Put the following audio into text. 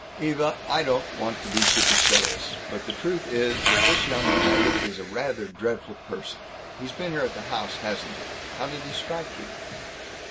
"Eva, I don't want to be supercilious, but the truth is that this young Daggett is a rather dreadful person. He's been here at the house, hasn't he? How did he strike you?"